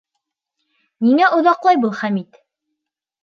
Ниңә оҙаҡлай был Хәмит?